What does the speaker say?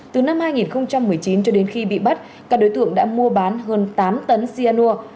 từ năm hai nghìn một mươi chín cho đến khi bị bắt các đối tượng đã mua bán hơn tám tấn xianur